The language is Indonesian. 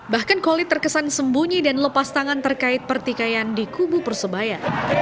bahkan khalid terkesan sembunyi dan lepas tangan terkait pertikaian di kubu persebaya